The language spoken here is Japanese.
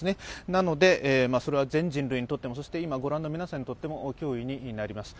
なので、それは全人類にとっても、そして今御覧の皆さんにとっても必要なことになります。